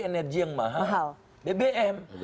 energi yang mahal bbm